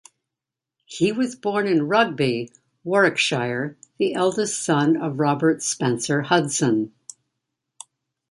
He was born in Rugby, Warwickshire, the eldest son of Robert Spencer Hudson.